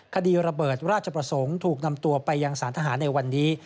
คดีระเบิดราชประสงค์ถูกนำตัวไปยังสารทหารในวันนี้